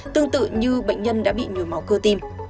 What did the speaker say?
tương tự như bệnh nhân đã bị nhồi máu cơ tim